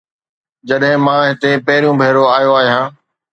جڏهن مان هتي پهريون ڀيرو آيو آهيان